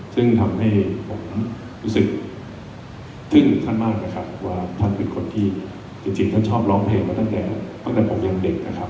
ซึ่งทำให้ผมรู้สึกทึ่งท่านมากนะครับว่าท่านเป็นคนที่จริงท่านชอบร้องเพลงมาตั้งแต่ตั้งแต่ผมยังเด็กนะครับ